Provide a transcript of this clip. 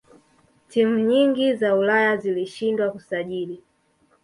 timu nyingi za ulaya zilishindwa kusajili